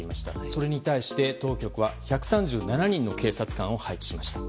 それに対して当局は１３７人の警察官を配置しました。